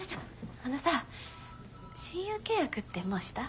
あのさ親友契約ってもうした？